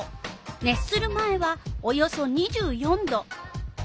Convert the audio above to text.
熱する前はおよそ２４℃。